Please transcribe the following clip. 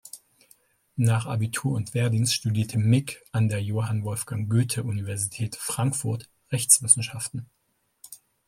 Nach Abitur und Wehrdienst studierte Mick an der Johann Wolfgang Goethe-Universität Frankfurt Rechtswissenschaften.